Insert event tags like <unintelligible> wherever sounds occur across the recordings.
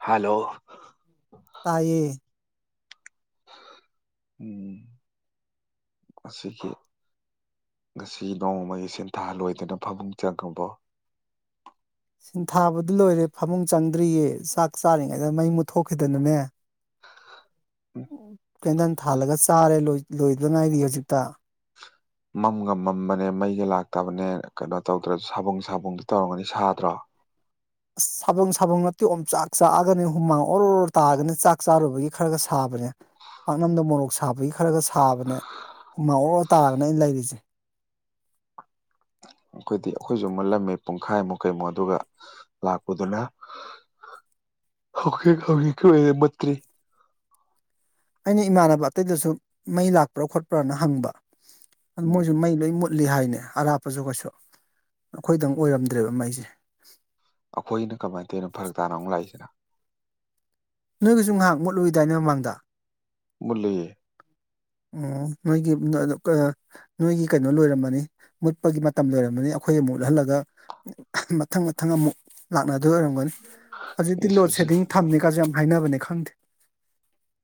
hello ꯇꯥꯏꯌꯦ ꯎꯝ <unintelligible> ꯉꯁꯤ ꯅꯣꯡꯃꯒꯤ ꯁꯦꯟꯊꯥ ꯂꯣꯏꯗꯅ ꯐꯃꯨꯡ ꯆꯪꯉꯕꯣ ꯊꯥꯕꯗꯤ ꯂꯣꯏꯔꯦ ꯐꯃꯨꯡ ꯆꯪꯗ꯭ꯔꯤꯌꯦ ꯆꯥꯛ ꯆꯥꯔꯤꯉꯩꯗ ꯃꯩ ꯃꯨꯠꯊꯣꯛꯈꯤꯗꯅꯅꯦ ꯎꯝ ꯀꯦꯟꯗꯟ ꯊꯥꯜꯂꯒ ꯆꯥꯔꯦ ꯂꯣꯏ ꯂꯣꯢꯗꯉꯥꯏꯔꯤ ꯍꯧꯖꯤꯛꯇ ꯃꯝꯒ ꯃꯝꯕꯅꯦ ꯃꯩꯒ ꯂꯥꯛꯇꯕꯅꯦ ꯀꯩꯅꯣ ꯇꯧꯗ꯭ꯔꯣ ꯁꯥꯕꯨꯡ ꯁꯥꯕꯨꯡꯗꯤ ꯇꯧꯔꯝꯒꯅꯤ ꯁꯥꯗ꯭ꯔꯣ ꯑꯁ ꯁꯕꯪ ꯁꯕꯪ ꯅꯠꯇꯦ ꯑꯣꯝꯆꯥꯛ ꯆꯥꯛꯑꯒꯅꯤ ꯍꯨꯃꯥꯡ ꯑꯣꯔꯣ ꯔꯣ ꯇꯥꯗꯅ ꯆꯥꯛ ꯆꯥꯔꯨꯕꯒꯤ ꯈꯔꯒ ꯁꯥꯕ ꯅꯦ ꯄꯥꯛꯅꯝꯗꯣ ꯃꯣꯔꯣꯛ ꯁꯥꯕꯒꯤ ꯈꯔꯒ ꯁꯥꯕꯅꯦ ꯍꯨꯃꯥꯡ ꯑꯣꯔ ꯇꯥꯔꯒꯅꯦ ꯑꯩꯅ ꯂꯩꯔꯤꯁꯦ <inaudible> ꯑꯩꯈꯣꯏꯗꯤ ꯑꯩꯈꯣꯏꯁꯨ ꯃꯨꯜꯂꯝꯃꯤ ꯄꯨꯡꯈꯥꯏꯃꯨꯛ ꯀꯩꯃꯨꯛ ꯑꯗꯨꯒ ꯂꯥꯛꯄꯗꯨꯅ ꯍꯧꯛ ꯍꯧꯛ <unintelligible> ꯀꯤꯑꯣꯏꯅ ꯃꯨꯠꯇ꯭ꯔꯤ ꯑꯩꯅ ꯏꯃꯥꯟꯕ ꯑꯇꯩꯗꯁꯨ ꯃꯩ ꯂꯥꯛꯄ꯭ꯔꯥ ꯈꯣꯠꯄ꯭ꯔꯥꯅ ꯍꯪꯕ ꯑꯗꯨ ꯎꯝ ꯃꯣꯏꯁꯨ ꯃꯩ ꯂꯣꯏ ꯃꯨꯠ ꯃꯨꯠꯂꯤ ꯍꯥꯏꯅꯦ ꯑꯔꯥꯞꯄꯁꯨ ꯀꯩꯁꯨ ꯑꯩꯈꯣꯏꯗꯪ ꯑꯣꯏꯔꯝꯗ꯭ꯔꯦꯕ ꯃꯩꯁꯦ ꯑꯩꯈꯣꯏꯅ ꯀꯃꯥꯏ ꯇꯧꯢꯅꯣ ꯐꯔꯛ ꯇꯥꯅ ꯑꯃꯨꯛ ꯂꯥꯛꯏꯁꯤꯅ ꯅꯣꯏꯒꯤꯁꯨ ꯉꯥꯏꯍꯥꯛ ꯃꯨꯠꯂꯨꯏꯗꯥꯏꯅꯦ ꯃꯃꯥꯡꯗ ꯃꯨꯠꯂꯦ ꯑꯣ ꯅꯣꯏꯒꯤ ꯅꯣꯏꯒꯤ ꯀꯩꯅꯣ ꯂꯣꯏꯔꯝꯃꯅꯤ ꯃꯨꯠꯄꯒꯤ ꯃꯇꯝ ꯂꯣꯏꯔꯝꯃꯅꯤ ꯑꯩꯈꯣꯏ ꯑꯃꯨꯛ ꯃꯨꯠꯍꯜꯂꯒ ꯃꯊꯪ ꯃꯊꯪ ꯑꯃꯨꯛ ꯂꯥꯛꯅꯗꯣꯏ ꯑꯣꯏꯔꯝꯒꯅꯤ ꯍꯧꯖꯤꯛꯇꯤ ꯏꯁ ꯂꯣꯗ ꯍꯧꯖꯤꯛ ꯁꯦꯗꯤꯡ ꯊꯝꯃꯦꯀꯁꯨ ꯌꯥꯝ ꯍꯥꯏꯅꯕꯅꯦ ꯈꯪꯗꯦ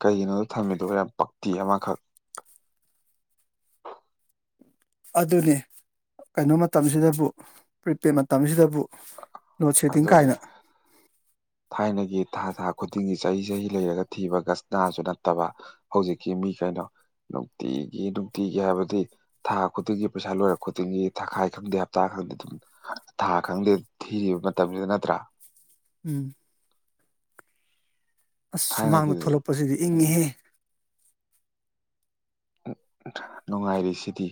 ꯀꯩꯒꯤꯅꯣꯗꯣ ꯊꯝꯃꯤꯗꯣ ꯌꯥꯝ ꯄꯛꯇꯤ ꯑꯃꯈꯛ ꯑꯗꯨꯅꯤ ꯀꯩꯅꯣ ꯃꯇꯝꯁꯤꯗꯕꯨ ꯄ꯭ꯔꯤꯄꯦꯗ ꯃꯇꯝꯁꯤꯗꯕꯨ ꯂꯣꯗ ꯁꯦꯗꯤꯡ ꯑꯗꯨꯅꯤ ꯀꯥꯏꯅ ꯊꯥꯏꯅꯒꯤ ꯊꯥ ꯊꯥ ꯈꯨꯗꯤꯡꯒꯤ ꯆꯍꯤ ꯆꯍꯤ ꯂꯩꯔꯒ ꯊꯤꯕ ꯒꯁꯅꯥꯁꯨ ꯅꯠꯇꯕ ꯍꯧꯖꯤꯛꯀꯤ ꯃꯤ ꯀꯩꯅꯣ ꯅꯨꯡꯇꯤꯒꯤ ꯅꯨꯡꯇꯤꯒꯤ ꯍꯥꯏꯕꯗꯤ ꯊꯥ ꯈꯨꯗꯤꯡꯒꯤ ꯄꯩꯁꯥ ꯂꯣꯏꯔꯛ ꯈꯨꯗꯤꯡꯒꯤ ꯊꯥꯈꯥꯏ ꯈꯪꯗꯦ ꯍꯞꯇꯥ ꯈꯪꯗꯦ ꯑꯗꯨꯝ ꯊꯥ ꯈꯪꯗꯦ ꯊꯤꯔꯤꯕ ꯃꯇꯝꯁꯤꯗ ꯅꯠꯇ꯭ꯔꯥ ꯎꯝ ꯑꯁ ꯁꯨꯃꯥꯡꯗ ꯊꯥꯏꯅꯒꯤꯗꯨꯗꯤ ꯊꯣꯛꯂꯛꯄꯁꯤꯗꯤ ꯏꯪꯉꯤꯍꯦ <unintelligible> ꯅꯨꯡꯉꯥꯏꯔꯤꯁꯤꯗꯤ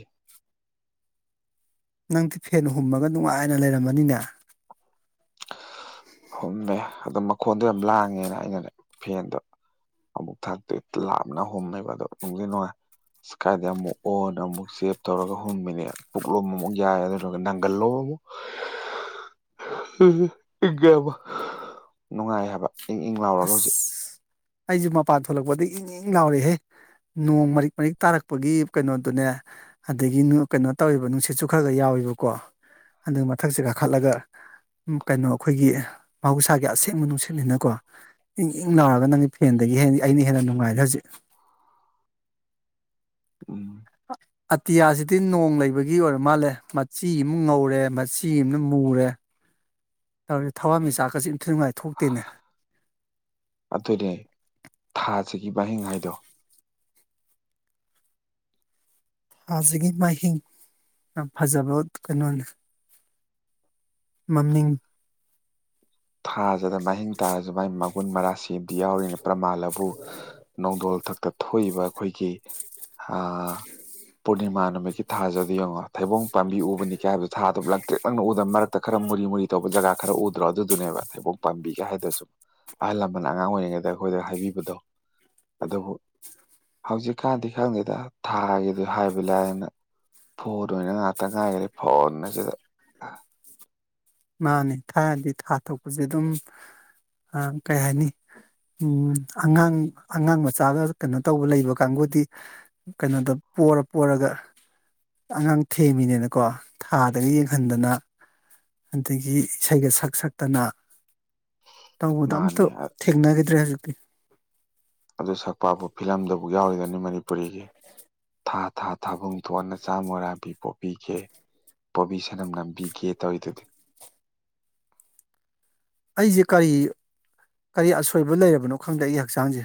ꯅꯪꯗꯤ ꯐꯦꯟ ꯍꯨꯝꯃꯒ ꯅꯨꯡꯉꯥꯏꯅ ꯂꯩꯔꯝꯃꯅꯤꯅꯦ ꯍꯨꯝꯃꯦ ꯑꯗꯨ ꯃꯈꯣꯟꯗꯣ ꯌꯥꯝ ꯂꯥꯡꯉꯦꯅ ꯑꯩꯅꯅꯦ ꯐꯦꯟꯗꯣ ꯑꯃꯨꯛ ꯊꯥꯛꯇꯣꯛꯑꯦ ꯂꯥꯞꯅ ꯍꯣꯝꯃꯦꯕ ꯑꯗꯣ ꯅꯨꯡꯗꯤ ꯅꯨꯡꯉꯥꯏ ꯁ ꯀꯥꯏꯗ ꯑꯃꯨꯛ ꯑꯣꯟ ꯑꯃꯨꯛ ꯆꯦꯞ ꯇꯧꯔꯒ ꯍꯨꯝ ꯃꯤꯅꯤ ꯄꯨꯛꯂꯣꯝ ꯑꯃꯨꯛ ꯌꯥꯏ ꯑꯗꯨꯗꯨꯒ ꯅꯪꯒꯜꯂꯣ <unintelligible> <unintelligible> ꯅꯨꯡꯉꯥꯏ ꯍꯥꯏꯕ ꯏꯪ ꯏꯪ ꯂꯥꯎꯔꯒ ꯍꯧꯖꯤꯛ ꯑꯩꯖꯨ ꯃꯄꯥꯟ ꯊꯣꯛꯂꯛꯄꯗꯩ ꯏꯪ ꯏꯪ ꯂꯎꯔꯦꯍꯦ ꯅꯣꯡ ꯃꯔꯤꯛ ꯃꯔꯤꯛ ꯇꯥꯔꯛꯄꯒꯤ ꯀꯩꯅꯣꯗꯨꯅꯦ ꯑꯗꯒꯤ ꯀꯩꯅꯣ ꯇꯧꯋꯦ ꯅꯨꯡꯁꯤꯠꯁꯨ ꯈꯔ ꯈꯔ ꯌꯥꯎ ꯑꯣꯏꯕꯀꯣ ꯑꯗꯨ ꯃꯊꯛꯁꯦ ꯀꯥꯈꯠꯂꯒ ꯎꯝ ꯀꯩꯅꯣ ꯑꯩꯈꯣꯏꯒꯤ ꯃꯍꯧꯁꯥꯒꯤ ꯑꯁꯦꯡꯕ ꯅꯨꯡꯁꯤꯠꯅꯤꯅꯀꯣ ꯏꯪ ꯏꯪ ꯂꯥꯎꯔꯒ ꯅꯪꯒꯤ ꯐꯦꯟꯗꯒꯤ ꯍꯦ ꯑꯩꯅ ꯍꯦꯟꯅ ꯅꯨꯡꯉꯥꯏꯔꯦ ꯍꯧꯖꯤꯛ ꯎꯝ ꯑꯇꯤꯌꯥꯁꯤꯗꯤ ꯅꯣꯡ ꯂꯩꯕꯒꯤ ꯑꯣꯏꯔ ꯃꯥꯜꯂꯦ ꯃꯆꯤ ꯑꯃ ꯉꯧꯔꯦ ꯃꯆꯤ ꯑꯃꯅ ꯃꯨꯔꯦ <inaudible> ꯇꯧꯔꯤ ꯊꯋꯥꯟ ꯃꯤꯆꯥꯛꯀꯁꯤ ꯏꯊꯤꯉꯥꯏ ꯊꯣꯛꯇꯦꯅꯦ ꯁꯤꯒꯤꯕꯥꯏꯍꯤꯡ ꯍꯥꯏꯗꯣ ꯊꯥꯖꯒꯤ ꯃꯍꯤꯡ ꯌꯥꯝ ꯐꯖꯕ ꯀꯩꯅꯣꯅꯦ ꯃꯃꯤꯡ ꯊꯥꯖꯗ ꯃꯍꯤꯡ ꯇꯥꯔꯁꯨ ꯃꯒꯤ ꯃꯒꯨꯟ ꯃꯔꯥꯁꯤꯝꯗꯤ ꯌꯥꯎꯔꯤꯅꯤ ꯄ꯭ꯔꯃꯥꯟꯂꯕꯨ ꯅꯣꯡꯗꯣꯜ ꯃꯊꯛꯇ ꯊꯣꯛꯏꯕ ꯑꯩꯈꯣꯏꯒꯤ ꯑꯥ ꯄꯨꯔꯅꯤꯃꯥ ꯅꯨꯃꯤꯠꯀꯤ ꯊꯥꯖ ꯑꯗꯨ ꯌꯦꯡꯉꯣ ꯊꯩꯕꯣꯡ ꯄꯥꯝꯕꯤ ꯎꯕꯅꯤ ꯀꯥꯏꯕꯗꯣ ꯊꯥꯗꯣ ꯂꯛꯇ꯭ꯔꯤꯛ ꯂꯪꯅ ꯎꯗꯕ ꯃꯔꯛꯇ ꯈꯔ ꯃꯨꯔꯤ ꯃꯨꯔꯤ ꯇꯧꯕ ꯖꯒꯥ ꯈꯔ ꯎꯗ꯭ꯔꯣ ꯑꯗꯨ ꯑꯗꯨꯅꯦꯕ ꯊꯩꯕꯣꯛ ꯄꯥꯝꯕꯤꯒ ꯍꯥꯏꯗꯨꯁꯨ ꯑꯍꯜ ꯂꯃꯟꯅ ꯑꯉꯥꯡ ꯑꯣꯏꯔꯤꯉꯩꯗ ꯑꯩꯈꯣꯏꯗ ꯍꯥꯏꯕꯤꯕꯗꯣ ꯑꯗꯨꯕꯨ ꯍꯧꯖꯤꯛꯀꯥꯟꯗꯤ ꯈꯪꯗꯦꯗ ꯊꯥꯒꯤꯗꯤ ꯍꯥꯏꯕ ꯂꯥꯏꯑꯅ ꯐꯨꯗꯣꯏꯅꯦ ꯉꯇ ꯉꯥꯏꯔꯦ ꯐꯣꯟ ꯑꯁꯤꯗ ꯃꯥꯅꯦ ꯊꯥꯏꯅꯗꯤ ꯊꯥ ꯊꯣꯛꯄꯁꯦ ꯑꯗꯨꯝ ꯑ ꯀꯩ ꯍꯥꯏꯅꯤ ꯎꯝ ꯑꯉꯥꯡ ꯑꯉꯥꯡ ꯃꯆꯥꯒ ꯀꯩꯅꯣ ꯇꯧꯕ ꯂꯩꯕ ꯀꯥꯡꯕꯨꯗꯤ ꯀꯩꯅꯣꯗꯣ ꯄꯣꯔ ꯄꯣꯔꯒ ꯑꯉꯥꯡ ꯊꯦꯝꯃꯤꯅꯦꯅꯀꯣ ꯊꯥꯗꯒ ꯌꯦꯡꯍꯟꯗꯅ ꯑꯗꯒꯤ ꯏꯁꯩꯒ ꯁꯛ ꯁꯛꯇꯅ ꯇꯧꯕꯗꯣ ꯑꯝꯇ ꯃꯥꯅꯦ ꯊꯦꯡꯅꯈꯤꯗ꯭ꯔꯦ ꯍꯧꯖꯤꯛꯇꯤ ꯑꯗꯨ ꯁꯛꯄꯕꯨ ꯐꯤꯂꯝꯗꯕꯨ ꯌꯥꯎꯔꯤꯒꯅꯤ ꯃꯅꯤꯄꯨꯔꯤꯒꯤ ꯊꯥ ꯊꯥ ꯊꯥꯕꯨꯡ ꯊꯣꯟ ꯅꯆꯥꯃꯣꯔꯥꯡꯕꯤ ꯄꯣꯕꯤꯒꯦ ꯄꯣꯕꯤ ꯁꯅꯝ ꯅꯝꯕꯤꯒꯦ ꯇꯧꯋꯤꯗꯨꯗꯤ ꯑꯩꯖꯦ ꯀꯔꯤ ꯀꯔꯤ ꯑꯁꯣꯏꯕ ꯂꯩꯔꯕꯅꯣ ꯈꯪꯗꯦ ꯑꯩꯒꯤ ꯍꯛꯆꯥꯡꯖꯦ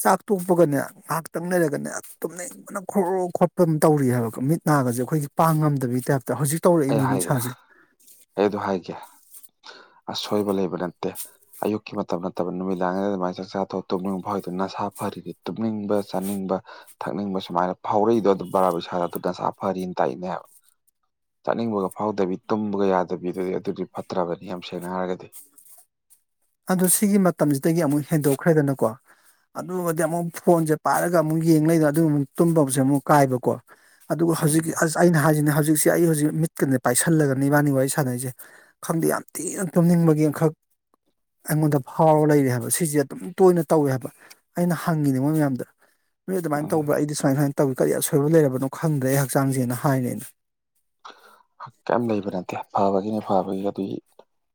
ꯆꯥꯛ ꯇꯣꯛꯄꯒꯅꯦ ꯉꯥꯏꯍꯥꯛꯇꯪ ꯂꯩꯔꯒꯅꯦ ꯇꯨꯝꯅꯤꯡꯕꯅ ꯈꯣꯔꯣꯔꯣ ꯈꯣꯠꯄ ꯑꯝ ꯇꯧꯔꯤ ꯍꯥꯏꯕ ꯃꯤꯠ ꯅꯥꯒꯁꯦ ꯑꯩꯈꯣꯏꯒꯤ ꯄꯥꯡ ꯉꯝꯗꯕꯒꯤ ꯇꯥꯏꯞ ꯑꯩ ꯍꯥꯏꯒꯦ ꯑꯩ ꯑꯗꯨ ꯍꯥꯏꯒꯦ ꯑꯁꯣꯏꯕ ꯂꯩꯕ ꯅꯠꯇꯦ ꯑꯌꯨꯛꯀꯤ ꯃꯇꯝ ꯅꯠꯇꯕ ꯅꯨꯃꯤꯗꯥꯡꯗ ꯗꯨꯃꯥꯏ ꯆꯥꯛꯆꯥꯥ ꯇꯣꯛ ꯇꯨꯝꯅꯤꯡꯕ ꯐꯥꯎꯔꯤꯗꯣ ꯅꯁꯥ ꯐꯔꯤ ꯇꯨꯝꯅꯤꯡꯕ ꯆꯥꯅꯤꯡ ꯕ ꯊꯛꯅꯤꯡꯕ ꯁꯨꯃꯥꯏꯅ ꯐꯥꯎꯔꯛꯏꯗꯣ ꯑꯗꯨ ꯕꯔꯥ ꯢꯁꯥꯗ ꯑꯗꯨ ꯅꯁꯥ ꯐꯔꯤꯅ ꯇꯥꯛꯏꯅꯦꯕ ꯆꯠꯅꯤꯡꯕꯒ ꯐꯥꯎꯗꯕꯤ ꯇꯨꯝꯕꯒ ꯌꯥꯗꯕꯤꯗꯨꯗꯤ ꯑꯗꯨꯗꯤ ꯐꯠꯇ꯭ꯔꯕꯅꯤ ꯌꯥꯝ ꯁꯦꯡꯅ ꯍꯥꯏꯔꯒꯗꯤ <unintelligible> ꯑꯗꯨ ꯁꯤꯒꯤ ꯃꯇꯝꯁꯤꯗꯒꯤ ꯑꯃꯨꯛ ꯍꯦꯟꯗꯣꯛꯈ꯭ꯔꯦꯗꯅꯀꯣ ꯑꯗꯨꯒꯗꯤ ꯑꯃꯨꯛ ꯐꯣꯟꯖꯦ ꯄꯥꯏꯔꯒ ꯑꯃꯨꯛ ꯌꯦꯡ ꯂꯩꯗꯅ ꯑꯗꯨ ꯑꯃꯨꯛ ꯇꯨꯝꯕꯕꯨꯖꯦ ꯑꯃꯨꯛ ꯀꯥꯏꯕꯀꯣ ꯑꯗꯨꯒ ꯎꯝ ꯍꯧꯖꯤꯛ ꯑꯁ ꯑꯩꯅ ꯍꯥꯏꯖꯤꯅꯦ ꯍꯧꯖꯤꯛꯁꯦ ꯑꯩ ꯍꯧꯖꯤꯛ ꯃꯤꯠꯀꯅꯦ ꯄꯥꯏꯁꯜꯂꯒꯅꯦ ꯏꯕꯥꯅꯤꯡ ꯋꯥꯔꯤ ꯁꯥꯟꯅꯩꯁꯦ ꯈꯪꯗꯦ ꯌꯥꯝ ꯊꯤꯅ ꯇꯨꯝꯅꯤꯡꯕꯒꯤ ꯑꯃꯈꯛ ꯑꯩꯉꯣꯟꯗ ꯐꯥꯎꯔꯒ ꯂꯩꯔꯦ ꯍꯥꯏꯕ ꯁꯤꯁꯦ ꯑꯗꯨꯝ ꯇꯣꯏꯅ ꯇꯧꯋꯦ ꯍꯥꯏꯕ ꯑꯩꯅ ꯍꯪꯉꯤꯅꯦ ꯃꯣꯏ ꯃꯌꯥꯝꯗ ꯅꯣꯏ ꯑꯗꯨꯃꯥꯏꯅ ꯎꯝ ꯇꯧꯕ꯭ꯔ ꯑꯩꯗꯤ ꯁꯨꯃꯥꯏ ꯁꯨꯃꯥꯏꯅ ꯇꯧꯋꯤ ꯀꯔꯤ ꯑꯁꯣꯏꯕ ꯂꯩꯔꯕꯅꯣ ꯈꯪꯗ꯭ꯔꯦ ꯑꯩ ꯍꯛꯆꯥꯡꯖꯦꯅ ꯍꯥꯏꯅꯦ ꯑꯩꯅ ꯀꯩꯝ ꯂꯩꯕ ꯅꯠꯇꯦ ꯐꯕꯒꯤꯅꯦ ꯐꯕꯒꯤ ꯑꯗꯨꯏ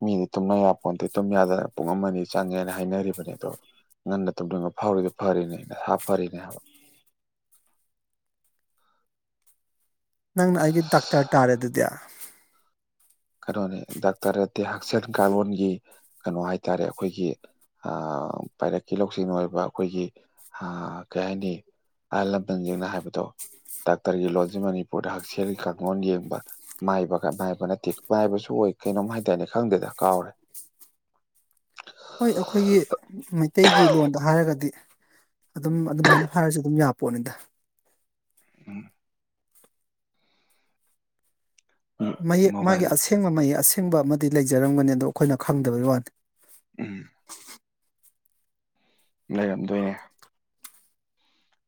ꯃꯤꯅꯗꯤ ꯇꯨꯝꯅ ꯌꯥꯄꯣꯟꯇꯦ ꯇꯨꯝ ꯌꯥꯗꯅ ꯄꯨꯡ ꯑꯃ ꯑꯅꯤ ꯆꯪꯉꯦꯅ ꯍꯥꯏꯅꯔꯤꯕꯅꯦ ꯑꯗꯣ ꯉꯟꯅ ꯇꯨꯝꯅꯤꯡꯕ ꯐꯥꯎꯔꯤꯗꯣ ꯐꯔꯤꯅꯦ ꯅꯁꯥ ꯐꯔꯤꯅꯦ ꯍꯥꯏꯕ ꯅꯪꯅ ꯑꯩꯒꯤ ꯗꯥꯛꯇꯔ ꯇꯥꯔꯦ ꯑꯗꯨꯗꯤ ꯀꯩꯅꯣꯅꯦ ꯗꯥꯛꯇꯔ ꯅꯠꯇꯦ ꯍꯛꯁꯦꯜ ꯀꯥꯂꯂꯣꯟꯒꯤ ꯀꯩꯅꯣ ꯍꯥꯏꯇꯥꯔꯦ ꯑꯩꯈꯣꯏꯒꯤ ꯑꯥ ꯄꯥꯏꯔꯛꯀꯤ ꯂꯧꯁꯤꯡ ꯑꯣꯏꯕ ꯑꯩꯈꯣꯏꯒꯤ ꯑꯥ ꯀꯩ ꯍꯥꯏꯅꯤ ꯑꯍꯜ ꯂꯃꯟꯁꯤꯛꯅ ꯍꯥꯏꯕꯗꯣ ꯗꯥꯛꯇꯔꯒꯤ ꯂꯣꯟꯖꯤ ꯃꯅꯤꯄꯨꯔꯗ ꯍꯛꯁꯦꯜꯒꯤ ꯀꯥꯡꯂꯣꯟ ꯌꯦꯡꯕ ꯃꯥꯏꯕ ꯃꯥꯏꯕ ꯅꯠꯇꯦ ꯃꯥꯏꯕꯁꯨ ꯑꯣꯏ ꯀꯩꯅꯣꯝ ꯍꯥꯏꯗꯥꯢꯅꯦ ꯈꯪꯗꯦꯗ ꯀꯥꯎꯔꯦ ꯍꯣꯏ ꯑꯈꯣꯏꯒꯤ ꯃꯩꯇꯩꯒꯤ ꯂꯣꯟꯗ ꯍꯥꯏꯔꯒꯗꯤ ꯑꯗꯨꯝ ꯑꯗꯨꯃꯥꯏꯅ ꯍꯥꯏꯔꯁꯨ ꯑꯗꯨꯝ ꯌꯥ ꯄꯣꯠꯅꯤꯗ ꯎꯝ ꯎꯝ ꯃꯌꯦꯛ ꯃꯣꯕꯥꯏꯜ ꯃꯥꯒꯤ ꯑꯁꯦꯡꯕ ꯃꯌꯦꯛ ꯑꯁꯦꯡꯕ ꯑꯃꯗꯤ ꯂꯩꯖꯔꯝꯒꯅꯤ ꯑꯗꯣ ꯑꯩꯈꯣꯏꯅ ꯈꯪꯗꯕ ꯋꯥꯅꯦ ꯎꯝ ꯂꯩꯔꯝꯗꯣꯏꯅꯦ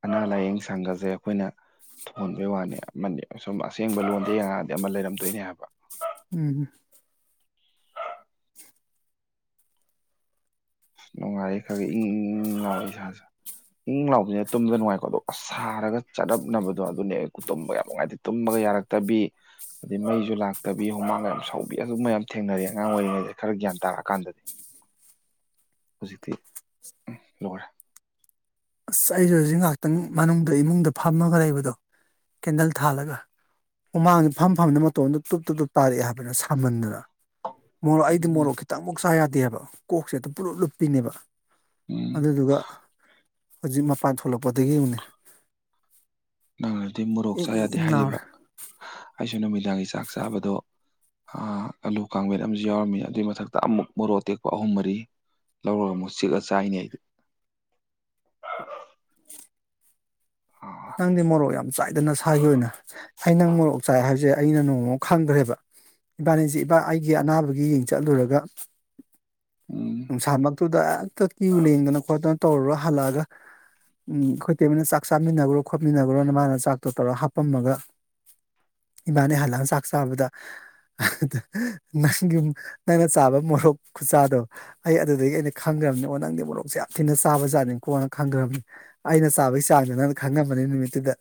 ꯑꯅꯥ ꯂꯥꯏꯌꯦꯡ ꯁꯪꯒꯁꯦ ꯑꯩꯈꯣꯏꯅ ꯊꯣꯟꯕꯩ ꯋꯥꯅꯦ ꯑꯃꯗꯤ ꯑꯁꯨꯝ ꯑꯁꯦꯡꯕ ꯂꯣꯟꯗ ꯌꯦꯡꯉꯛꯑꯗꯤ ꯑꯃ ꯂꯩꯔꯝꯗꯣꯏꯅꯦ ꯍꯥꯏꯕ ꯎꯝ ꯅꯨꯡꯉꯥꯏꯌꯦ ꯈꯔ ꯒ ꯏꯪꯢꯪꯏꯪ ꯂꯥꯋꯦ ꯏꯁꯥꯁꯦ ꯏꯪ ꯢꯪ ꯂꯥꯎꯕꯁꯤꯅ ꯇꯨꯝꯗ ꯅꯨꯡꯉꯥꯏꯀꯣ ꯑꯗꯣ ꯑꯁ ꯁꯥꯔꯒ ꯆꯠꯔꯞꯅꯕꯗꯣ ꯑꯗꯨꯅꯦ ꯇꯨꯝꯕ ꯌꯥꯝ ꯅꯨꯡꯉꯥꯏꯇꯦ ꯇꯨꯝꯕꯒ ꯌꯥꯔꯛꯇꯕꯤ ꯑꯗꯩ ꯃꯩꯁꯨ ꯂꯥꯛꯇꯕꯤ ꯍꯨꯃꯥꯡ ꯌꯥꯝ ꯁꯧꯕꯤ ꯑꯗꯨꯝ ꯃꯌꯥꯝ ꯊꯦꯡꯅꯔꯤ ꯑꯉꯥꯡ ꯑꯣꯏꯔꯤꯉꯩꯗ ꯈꯔ ꯒ꯭ꯌꯥꯟ ꯇꯥꯔꯛꯑꯀꯥꯟꯗꯗꯤ ꯍꯨꯖꯤꯛꯇꯤ ꯎꯝ ꯂꯣꯏꯔꯦ ꯑꯁ ꯑꯩꯁꯨ ꯍꯧꯖꯤꯛ ꯉꯥꯏꯍꯥꯛꯇꯪ ꯃꯅꯨꯡꯗ ꯏꯃꯨꯡꯗ ꯐꯝꯃꯒ ꯂꯩꯕꯗꯣ ꯀꯦꯟꯗꯜ ꯊꯥꯜꯂꯒ ꯍꯨꯃꯥꯡ ꯐꯝ ꯐꯝꯅ ꯃꯇꯣꯝꯗ ꯇꯨꯞ ꯇꯨꯞ ꯇꯨꯞ ꯇꯥꯔꯛꯑꯦ ꯍꯥꯏꯕꯅ ꯁꯥꯝꯃꯟꯗꯅ ꯃꯣꯔꯣꯛ ꯑꯩꯗꯤ ꯎꯝ ꯃꯣꯔꯣꯛ ꯈꯤꯇꯪꯕꯧ ꯆꯥ ꯌꯥꯗꯦꯕ ꯀꯣꯛꯁꯦ ꯑꯗꯨꯝ ꯄꯨꯂꯞ ꯂꯨꯞꯄꯤꯅꯦꯕ ꯎꯝ ꯑꯗꯨꯗꯨꯒ ꯍꯧꯖꯤꯛ ꯃꯄꯥꯟ ꯊꯣꯛꯂꯛ ꯄꯗꯒꯤ ꯌꯦꯡꯉꯣꯅꯦ ꯅꯪꯅꯗꯤ ꯃꯣꯔꯣꯛ ꯆꯥ ꯌꯥꯗꯦ ꯍꯥꯏꯔꯤꯕ ꯑꯩꯁꯨ ꯅꯨꯃꯤꯗꯥꯡꯒꯤ ꯆꯥꯛ ꯆꯥꯕꯗꯣ ꯑꯥ ꯑꯂꯨ ꯀꯥꯡꯃꯦꯠ ꯑꯃꯁꯨ ꯌꯥꯎꯔꯝꯃꯤ ꯑꯗꯨꯏ ꯃꯊꯛꯇ ꯑꯃꯨꯛ ꯃꯣꯔꯣꯛ ꯑꯇꯦꯛꯄ ꯑꯍꯨꯝ ꯃꯔꯤ ꯂꯧꯔꯒ ꯑꯃꯨꯛ ꯆꯤꯛꯑ ꯆꯥꯏꯅꯦ ꯑꯩꯗꯤ ꯑꯥ ꯅꯪꯗꯤ ꯃꯣꯔꯣꯛ ꯌꯥꯝ ꯆꯥꯏꯗ ꯅꯁꯥꯥꯒꯤ ꯑꯣꯏꯅ ꯑꯩ ꯅꯪ ꯃꯣꯔꯣꯛ ꯆꯥꯏ ꯍꯥꯏꯕꯁꯦ ꯑꯩꯅ ꯅꯣꯡꯃꯃ ꯈꯪꯈꯒ꯭ꯔꯦꯕ ꯏꯕꯥꯅꯤꯁꯤ ꯏꯕ ꯑꯩꯒꯤ ꯑꯅꯥꯕꯒꯤ ꯌꯦꯡ ꯆꯠꯂꯨꯔꯒ ꯎꯝ ꯅꯨꯡꯁꯥꯃꯛ ꯇꯨꯗ ꯍꯦꯛꯇ ꯀꯤꯌꯨ ꯂꯦꯡꯗꯅ ꯈꯣꯠꯇꯅ ꯇꯧꯔꯒ ꯍꯜꯂꯛꯑꯒ ꯎ ꯑꯩꯈꯣꯏ ꯇꯩꯃꯅ ꯆꯥꯛ ꯆꯥꯃꯤꯟꯅꯈ꯭ꯔꯣ ꯈꯣꯠꯃꯤꯟꯅꯈ꯭ꯔꯣꯅ ꯃꯥꯅ ꯆꯥꯛꯇꯣ ꯇꯧꯔꯒ ꯍꯥꯞꯄꯝꯃꯒ ꯏꯕꯥꯥꯅꯤ ꯍꯜꯂꯥꯒ ꯆꯥꯛ ꯆꯥꯕꯗ ꯑꯍ ꯇꯨ ꯅꯪ ꯌꯨꯝ ꯅꯪꯅ ꯆꯥꯕ ꯃꯣꯔꯣꯛ ꯈꯨꯆꯥꯗꯣ ꯑꯩ ꯑꯗꯨꯗꯒꯤ ꯑꯩꯅ ꯈꯪꯈ꯭ꯔꯕꯅꯤ ꯑꯣ ꯅꯪꯗꯤ ꯃꯣꯔꯣꯛꯁꯦ ꯌꯥꯝ ꯊꯤꯅ ꯆꯥꯕꯖꯥꯠꯅꯤꯀꯣ ꯈꯪꯈ꯭ꯔꯕꯅꯤ ꯑꯩꯅ ꯆꯥꯕꯒꯤ ꯆꯥꯡꯗꯣ ꯅꯪꯅ ꯈꯪꯉꯝꯕꯅꯤ ꯅꯨꯃꯤꯠꯇꯨꯗ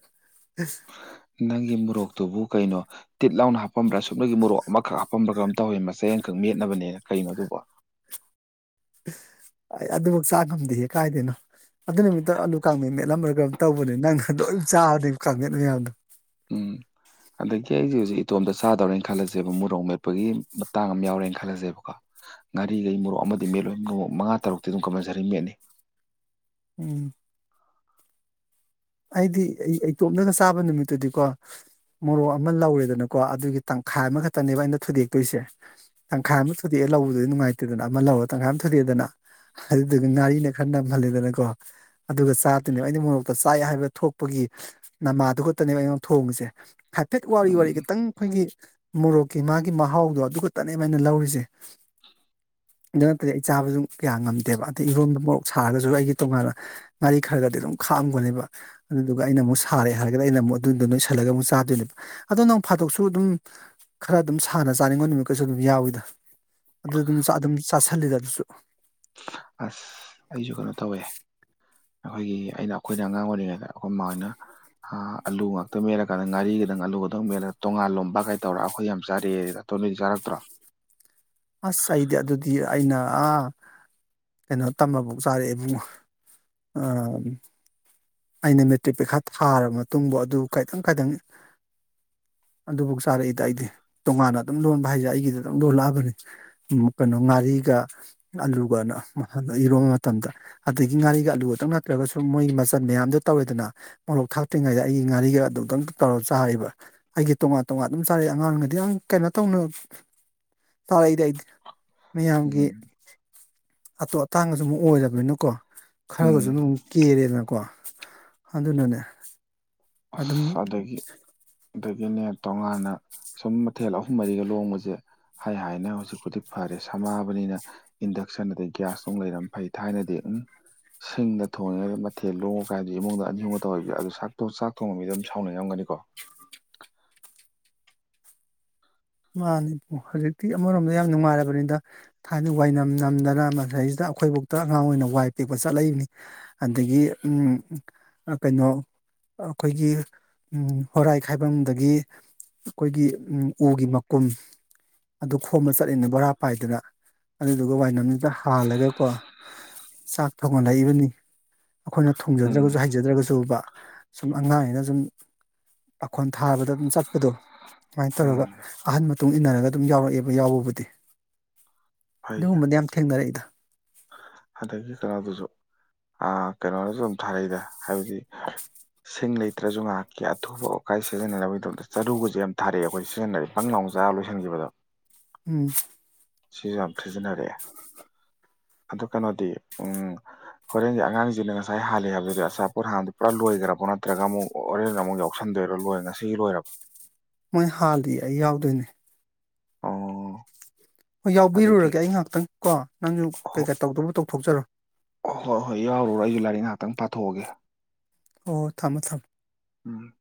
ꯅꯪꯒꯤ ꯃꯣꯔꯣꯛꯇꯨꯕꯨ ꯀꯩꯅꯣ ꯇꯤꯠ ꯂꯥꯎꯅ ꯍꯥꯞꯝꯕ꯭ꯔ ꯁꯨꯞꯅꯒꯤ ꯃꯣꯔꯣ ꯛꯑꯃꯈꯛ ꯍꯥꯞꯄꯝꯕ꯭ꯔ ꯀꯩꯅꯣꯝ ꯇꯧꯋꯦꯃꯤ ꯃꯆꯩ ꯑꯃꯈꯛ ꯃꯦꯠꯅꯕꯅꯦꯅ ꯀꯩꯅꯣ ꯑꯗꯨꯕꯨ <inaudible> ꯑꯩ ꯑꯗꯨꯕꯥꯎ ꯆꯥ ꯉꯝꯗꯦꯍꯦ ꯀꯥꯏꯗꯩꯅꯣ ꯑꯗꯨ ꯅꯨꯃꯤꯠꯇꯣ ꯑꯂꯨ ꯀꯥꯡꯃꯦꯟ ꯃꯦꯠꯂꯝꯕꯔ ꯀꯩꯅꯣꯝ ꯇꯧꯕꯅꯦ ꯅꯪꯅ ꯂꯣꯏꯝ ꯆꯥꯕꯅꯦꯕ ꯀꯥꯡꯃꯦꯠ ꯃꯌꯥꯝꯗꯣ ꯎꯝ ꯑꯗꯒꯤ ꯑꯩꯖꯦ ꯍꯨꯖꯤꯛ ꯏꯇꯣꯝꯇ ꯆꯥꯗꯧꯔꯦ ꯈꯜꯂꯖꯦꯕꯕ ꯃꯣꯔꯣꯛ ꯃꯦꯠꯄꯒꯤ ꯃꯇꯥꯡ ꯑꯃ ꯌꯥꯎꯔꯦꯅ ꯈꯜꯂꯖꯦꯕꯀꯣ ꯉꯥꯔꯤꯒꯩ ꯃꯣꯔꯣꯛ ꯑꯃꯗꯤ ꯃꯦꯠꯂꯣꯏ ꯃꯣꯔꯣꯛ ꯃꯉꯥ ꯇꯔꯨꯛꯇꯤ ꯑꯗꯨꯝ ꯀꯝꯄꯜꯁꯔꯤ ꯃꯦꯠꯅꯤ <inaudible> ꯑꯩꯗꯤ ꯑꯩ ꯏꯇꯣꯝꯗꯒ ꯆꯥꯕ ꯅꯨꯃꯤꯠꯇꯨꯗꯤꯀꯣ ꯃꯣꯔꯣꯛ ꯑꯃ ꯂꯧꯔꯦꯗꯅꯀꯣ ꯑꯗꯨꯒꯤ ꯇꯪꯈꯥꯏ ꯑꯃꯈꯛꯇꯅꯦꯕ ꯑꯩꯅ ꯊꯨꯗꯦꯛꯇꯣꯏꯁꯦ ꯇꯪꯈꯥꯏ ꯑꯃ ꯊꯨꯗꯦꯛꯑꯦ ꯂꯧꯕꯗꯨꯗꯤ ꯅꯨꯡꯉꯥꯏꯇꯦꯗꯅ ꯑꯃ ꯂꯧꯔꯒ ꯇꯪꯈꯥꯏ ꯑꯃ ꯊꯨꯗꯦꯛꯑꯦꯗꯅ ꯑꯗꯨꯗꯨꯒ ꯉꯥꯔꯤꯅ ꯈꯔ ꯅꯝꯍꯜꯂꯦꯗꯅꯀꯣ ꯑꯗꯨꯒ ꯆꯥꯗꯨꯅꯦꯕ ꯑꯩꯗꯤ ꯃꯣꯔꯣꯛꯇꯣ ꯆꯥꯏ ꯍꯥꯏꯕ ꯊꯣꯛꯄꯒꯤ ꯅꯃꯥꯗꯨ ꯈꯛꯇꯅꯦꯕ ꯑꯩꯉꯣꯟꯗ ꯊꯣꯡꯉꯤꯖꯦꯜ ꯍꯥꯏꯐꯦꯠ ꯋꯥꯎꯔꯤ ꯋꯥꯥꯎꯔꯤ ꯎꯝ ꯈꯤꯇꯪ ꯈꯣꯏꯒꯤ ꯃꯣꯔꯣꯛꯀꯤ ꯃꯥꯒꯤ ꯃꯍꯥꯎꯗꯣ ꯑꯗꯨꯈꯛꯇꯅꯦꯕ ꯑꯩꯅ ꯂꯧꯔꯤꯖꯦ <inaudible> ꯑꯗꯨ ꯅꯠꯇꯦ ꯑꯩ ꯆꯥꯕꯖꯨ ꯀꯌꯥ ꯉꯝꯗꯦꯕ ꯑꯗꯩ ꯏꯔꯣꯟꯕ ꯃꯣꯔꯣꯛ ꯁꯥꯔꯒꯖꯨ ꯑꯩꯒꯤ ꯇꯣꯉꯥꯟꯅ ꯉꯥꯔꯤ ꯈꯔꯒꯗꯤ ꯑꯗꯨꯝ ꯈꯥꯛꯑꯝꯒꯅꯦꯕ ꯑꯗꯨꯗꯨꯒ ꯑꯩꯅ ꯑꯃꯨꯛ ꯁꯥꯔꯦ ꯍꯥꯏꯔꯒꯅ ꯑꯩꯅ ꯑꯃꯨꯛ ꯑꯗꯨꯗꯣ ꯅꯣꯏ ꯁꯜꯂꯒ ꯑꯃꯨꯛ ꯆꯥꯗꯣꯏꯅꯦꯕ ꯑꯗꯣ ꯅꯣꯡ ꯐꯥꯗꯣꯛꯁꯨ ꯑꯗꯨꯝ ꯈꯔ ꯑꯗꯨꯝ ꯁꯥꯟꯅ ꯆꯥꯅꯤꯡꯕ ꯅꯨꯃꯤꯠ ꯀꯖꯨ ꯑꯗꯨꯝ ꯌꯥꯎꯋꯤꯗ ꯑꯗꯨ ꯑꯗꯨꯝ ꯑꯗꯨꯝ ꯆꯥꯥꯁꯜꯂꯤꯗ ꯑꯗꯨꯁꯨ ꯑꯁ ꯑꯩꯖꯨ ꯀꯩꯅꯣ ꯇꯧꯋꯦ ꯑꯈꯣꯏꯒꯤ ꯑꯩꯅ ꯑꯩꯈꯣꯏꯅ ꯑꯉꯥꯡ ꯑꯣꯏꯔꯤꯉꯩꯗ ꯑꯩꯈꯣꯏ ꯃꯥꯟ ꯅ ꯑꯥ ꯑꯥꯂꯨ ꯉꯥꯛꯇꯪ ꯃꯦꯜꯂꯀꯥꯟꯗ ꯉꯥꯔꯤꯒꯗꯪ ꯑꯥꯂꯨꯒꯇꯪ ꯃꯦꯠꯂꯒ ꯇꯣꯉꯥꯟ ꯂꯣꯝꯕ ꯀꯩ ꯇꯧꯔꯒ ꯑꯩꯈꯣꯏ ꯌꯥꯝ ꯆꯥꯔꯛꯑꯦ ꯅꯣꯏꯗꯤ ꯆꯥꯔꯛꯇ꯭ꯔꯣ ꯑꯁ ꯑꯩꯗꯤ ꯑꯗꯨꯗꯤ ꯑꯩꯅ ꯑꯥ ꯀꯩꯅꯣ ꯇꯝꯃꯕꯧ ꯆꯥꯔꯛꯑꯦ ꯑꯦꯕꯨꯡꯉꯣ ꯑꯎꯝ ꯑꯩꯅ ꯃꯦꯇ꯭ꯔꯤꯛ ꯄꯩꯈꯥ ꯊꯥꯔꯕ ꯃꯇꯨꯡꯕꯧ ꯑꯗꯨ ꯀꯥꯏꯗꯪ ꯀꯥꯏꯗꯪꯅꯦ <inaudible> ꯑꯗꯨꯕꯨꯛ ꯆꯥꯔꯛꯏꯗ ꯑꯩꯗꯤ ꯇꯣꯉꯥꯟꯅ ꯑꯗꯨꯝ ꯂꯣꯟꯕ ꯍꯥꯏꯖꯦ ꯑꯩꯒꯤꯗꯤ ꯑꯗꯨꯝ ꯂꯣꯜꯂꯛꯑꯕꯅꯤ ꯀꯩꯅꯣ ꯉꯥꯔꯤ ꯒ ꯑꯂꯨꯒꯅ ꯃꯐꯝꯗ ꯏꯔꯣꯟꯕ ꯃꯇꯝꯗ ꯑꯗꯒꯤ ꯉꯥꯔꯤꯒ ꯑꯥꯂꯨ ꯈꯛꯇꯪ ꯅꯠꯇ꯭ꯔꯒꯁꯨ ꯃꯣꯏ ꯇꯟ ꯃꯌꯥꯝꯗꯣ ꯇꯧꯔꯦꯗꯅ ꯃꯣꯔꯣꯛ ꯊꯥꯛꯇ꯭ꯔꯤꯉꯩꯗ ꯑꯩꯒꯤ ꯉꯥꯔꯤꯒ ꯑꯗꯨꯗꯪ ꯇꯧꯔꯒ ꯆꯥꯔꯤꯕ ꯑꯩꯒꯤ ꯇꯣꯉꯥꯟ ꯇꯣ ꯇꯣꯉꯥꯟ ꯑꯗꯨꯝ ꯆꯥꯔꯛꯑꯦ ꯑꯉꯥꯡꯑꯣꯏꯉꯩꯗ ꯌꯥꯝ ꯀꯩꯅꯣ ꯇꯧꯅ ꯆꯥꯔꯛꯏꯗ ꯑꯩꯗꯤ ꯃꯌꯥꯝꯒꯤ ꯎꯝ ꯑꯇꯣ ꯑꯇꯥꯡꯒꯖꯨ ꯃꯨꯛ ꯑꯣꯏꯔꯕꯅꯤꯅꯀꯣ ꯈꯔꯖꯨ ꯎꯝ ꯑꯗꯨꯝ ꯀꯦꯔꯦ ꯀꯣ ꯑꯗꯨꯅꯅꯦ ꯑꯗꯨꯝ ꯑꯁ ꯑꯗꯒꯤ ꯑꯗꯒꯤꯅꯦ ꯇꯣꯉꯥꯟꯅ ꯁꯨꯝ ꯃꯊꯦꯜ ꯑꯍꯨꯝ ꯃꯔꯤꯒ ꯂꯣꯡꯕꯖꯦ ꯍꯥꯏ ꯍꯥꯏꯅ ꯍꯨꯖꯤꯛꯄꯨꯗꯤ ꯐꯔꯦ ꯁꯝꯃꯛꯑꯕꯅꯤꯅ ꯏꯟꯗꯛꯁꯟ ꯑꯗꯩ ꯒ꯭꯭ꯌꯥꯁ ꯑꯃꯨꯛ ꯂꯩꯔꯝ ꯐꯩ ꯊꯥꯏꯅꯗꯤ ꯎꯝ ꯁꯤꯡꯗ ꯊꯣꯡꯉꯦ ꯃꯊꯦꯜ ꯂꯣꯡꯉꯣ ꯀꯥ ꯍꯥꯏꯕꯗꯤ ꯏꯃꯨꯡꯗ ꯑꯅꯤꯍꯨꯝꯒ ꯇꯧꯔꯗꯤ ꯁꯛꯇꯣ ꯆꯥꯛ ꯊꯣꯡꯕ ꯃꯤꯗꯣ ꯁꯥꯎꯅꯤꯡ ꯉꯝꯒꯅꯤꯀꯣ ꯃꯥꯅꯦ ꯏꯕꯨꯡꯉꯣ ꯍꯧꯖꯤꯛꯇꯤ ꯑꯃꯔꯣꯝꯗ ꯌꯥꯝ ꯅꯨꯡꯉꯥꯏꯔꯕꯅꯤꯗ ꯊꯥꯏꯅ ꯋꯥꯏꯅꯝ ꯅꯝꯗꯅ ꯃꯁꯤꯗꯩꯖꯤꯗ ꯑꯥꯈꯣꯏꯕꯧꯇ ꯑꯉꯥꯡ ꯑꯣꯏꯅ ꯋꯥꯏ ꯄꯦꯛꯄ ꯆꯠꯂꯛꯏꯅꯤ ꯑꯗꯒꯤ ꯎꯝ ꯑꯥ ꯀꯩꯅꯣ ꯑꯥꯈꯣꯏꯒꯤ ꯎꯝ ꯍꯣꯔꯥꯏ ꯈꯥꯏꯕꯝꯗꯒꯤ ꯑꯩꯈꯣꯏꯒꯤ ꯎꯝ ꯎꯒꯤ ꯃ ꯀꯨꯝ ꯑꯗꯨ ꯈꯣꯝꯕ ꯆꯠꯂꯤꯅꯦ ꯕꯣꯔꯥ ꯄꯥꯏꯗꯅ ꯑꯗꯨꯗꯨꯒ ꯋꯥꯏꯅꯝꯗꯨꯗ ꯍꯥꯜꯂꯒꯀꯣ ꯆꯥꯛ ꯊꯣꯡꯍꯜꯂꯛꯏꯕꯅꯤ ꯑꯥꯈꯣꯏꯅ ꯎꯝ ꯊꯣꯡꯖꯗ꯭ꯔꯒꯖꯨ ꯍꯩꯖꯗ꯭ꯔꯒꯖꯨꯕ ꯁꯨꯝ ꯑꯉꯥꯡꯅꯤꯅ ꯖꯨꯝ ꯄꯥꯈꯣꯟ ꯊꯥꯕꯗ ꯑꯗꯨꯝ ꯆꯠꯄꯗꯣ ꯑꯗꯨꯃꯥꯏꯅ ꯇꯧꯔꯒ ꯎꯝ ꯑꯍꯟ ꯃꯇꯨꯡ ꯏꯟꯅꯔꯒ ꯑꯗꯨꯝ ꯌꯥꯎꯔꯛꯑꯦꯕ ꯌꯥꯎꯕꯕꯨꯗꯤ ꯐꯩ ꯑꯗꯨꯒꯨꯝꯕꯗꯤ ꯌꯥꯝ ꯊꯦꯡꯅꯔꯛꯏꯗ ꯍꯟꯗꯛꯀꯤ ꯀꯩꯅꯣꯗꯨꯖꯨ ꯑꯥ ꯀꯩꯅꯣꯅꯖꯨ ꯑꯗꯨꯝ ꯊꯥꯔꯛꯏꯗ ꯍꯥꯏꯕꯗꯤ ꯁꯤꯡ ꯂꯩꯇ꯭ꯔꯖꯨ ꯉꯍꯥꯛꯀꯤ ꯑꯊꯨꯕ ꯋꯥꯀꯥꯏ ꯁꯤꯖꯤꯟꯅꯅꯕꯒꯤꯗꯃꯛꯇ ꯆꯔꯨꯒꯖꯨ ꯌꯥꯝ ꯊꯥꯔꯛꯑꯦ ꯑꯩꯈꯣꯏ ꯁꯤꯖꯤꯟꯅꯔꯛꯑꯦ ꯄꯪ ꯂꯥꯎ ꯆꯥꯛꯑꯒ ꯂꯣꯏꯁꯤꯟꯒꯤꯕꯗꯣ ꯎꯝ ꯁꯤꯖꯨ ꯌꯥꯝ ꯁꯤꯖꯤꯟꯅꯔꯛꯑꯦ ꯑꯗꯨ ꯀꯩꯅꯣꯗꯤ ꯎꯝ ꯍꯣꯔꯦꯟꯒꯤ ꯑꯉꯥꯡꯖꯤꯡꯅ ꯉꯁꯥꯏ ꯍꯥꯜꯂꯤ ꯍꯥꯏꯕꯗꯨꯗꯤ ꯑꯆꯥꯄꯣꯠ ꯍꯥꯟꯕꯗꯣ ꯄꯨꯔꯥ ꯂꯣꯏꯒ꯭ꯔꯕꯣ ꯅꯠꯇ꯭ꯔꯒ ꯑꯃꯨꯛ ꯍꯣꯔꯦꯟ ꯑꯃꯨꯛ ꯌꯥꯎꯁꯟꯗꯣꯏꯔꯣ ꯂꯣꯏ ꯉꯁꯤꯒꯤ ꯂꯣꯏꯔꯕ ꯃꯣꯏ ꯍꯥꯥꯜꯂꯤ ꯑꯩ ꯌꯥꯎꯗꯣꯏꯅꯦ ꯑꯣ ꯍꯣꯏ ꯑꯗꯨꯗꯤ ꯌꯥꯎꯕꯤꯔꯨꯔꯒꯦ ꯑꯩ ꯉꯍꯥꯛꯇꯪ ꯀꯣ ꯅꯪꯁꯨ ꯀꯩꯀꯥ ꯇꯧꯗꯧꯕ ꯇꯧꯊꯣꯛꯆꯔꯣ ꯍꯣ ꯍꯣꯏ ꯌꯥꯎꯔꯨꯔꯣ ꯑꯩꯁꯨ ꯂꯥꯏꯔꯤꯛ ꯉꯥꯏꯍꯥꯛꯇꯪ ꯄꯥꯊꯣꯛꯑꯒꯦ ꯑꯣ ꯊꯝꯃꯣ ꯊꯝꯃꯣ ꯎꯝ